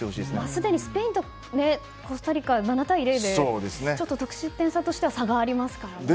すでにスペインとコスタリカは７対０で得失点差としては差がありますからね。